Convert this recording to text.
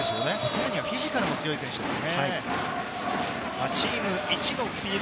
さらにフィジカルも強い選手です。